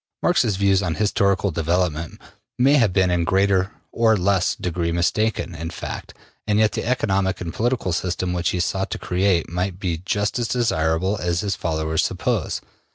Marx's views on historical development may have been in a greater or less degree mistaken in fact, and yet the economic and political system which he sought to create might be just as desirable as his followers suppose.